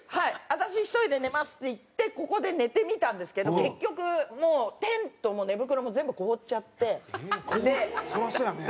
私一人で寝ますって言ってここで寝てみたんですけど結局もうテントも寝袋も凍るそりゃそうやね。